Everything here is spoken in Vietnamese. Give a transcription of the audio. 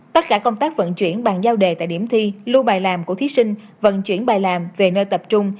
tất cả công tác vận chuyển bàn giao đề tại điểm thi lưu bài làm của thí sinh vận chuyển bài làm về nơi tập trung